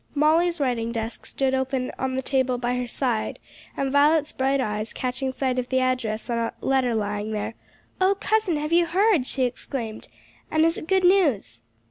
Molly's writing desk stood open on the table by her side, and Violet's bright eyes catching sight of the address on a letter lying there, "Oh, cousin, have you heard?" she exclaimed, "and is it good news?"